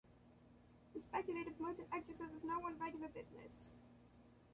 The speculative merchant exercises no one regular business.